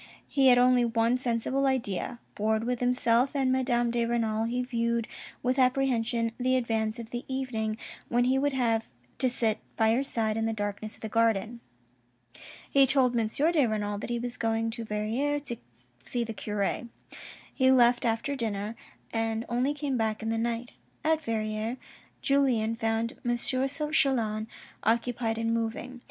He had only one sensible idea. Bored with himself and Madame de Renal, he viewed with apprehension the advance of the evening when he would have to sit by her side in the darkness of the garden. He told M. de Renal that he was going to Verrieres to see the cure. He left after dinner, and only came back in the night. At Verrieres Julien found M. Chelan occupied in moving.